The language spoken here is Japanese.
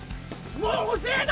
もう遅えだ！